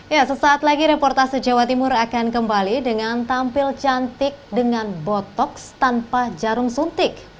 ya sesaat lagi reportase jawa timur akan kembali dengan tampil cantik dengan botoks tanpa jarum suntik